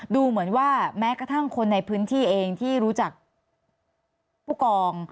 ดูเหมือนว่าแม้กระทั่งคนในพื้นที่เองที่รู้จักผู้กอง